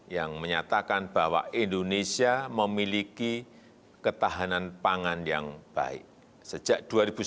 yang menyatakan bahwa indonesia memiliki ketahanan pangan yang baik sejak dua ribu sembilan belas